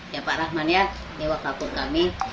ya pak rahman ya mewakakur kami